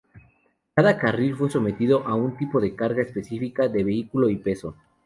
Cada carril fue sometido a un tipo de carga específica de vehículo y peso.